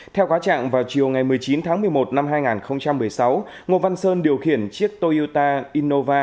theo quá trạng vào chiều ngày một mươi chín tháng một mươi một năm hai nghìn một mươi sáu ngô văn sơn điều khiển chiếc toyota innova